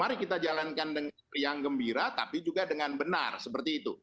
mari kita jalankan dengan yang gembira tapi juga dengan benar seperti itu